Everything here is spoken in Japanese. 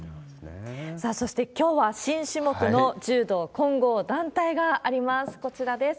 さあ、そしてきょうは新種目の柔道混合団体があります、こちらです。